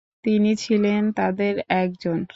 তিনি ছিলেন তাদের একজন।